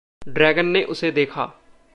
Dragon ने उसे देखा।